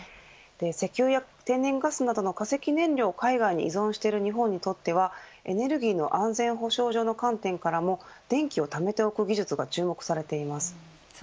石油や天然ガスなどの化石燃料を海外に依存している日本にとってエネルギーの安全保障上の観点からも電気をためておく技術が注目されます。